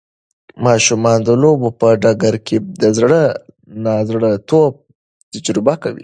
ماشومان د لوبو په ډګر کې د زړه نا زړه توب تجربه کوي.